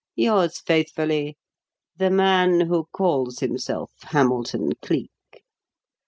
Yours faithfully, "'The Man Who Calls Himself Hamilton Cleek.